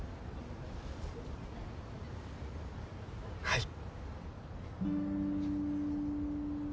はい。